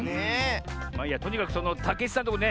まあいいやとにかくそのたけちさんのとこね